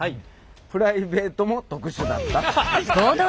プライベートも特殊だった。